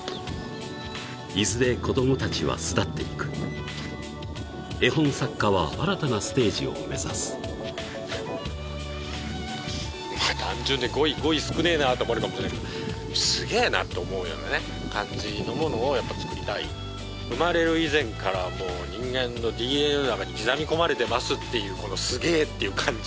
いずれ子どもたちは巣立っていく絵本作家は新たなステージを目指す単純で語彙少ねえなと思われるかもしんないけどすげえなって思うようなね感じのものをやっぱ作りたい生まれる以前からもう人間のＤＮＡの中に刻み込まれてますっていうこのすげえっていう感情？